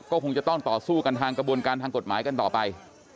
ก็คงจะต้องต่อสู้กันทางกระบวนการทางกฎหมายกันต่อไป